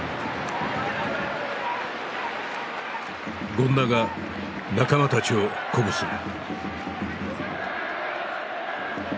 権田が仲間たちを鼓舞する。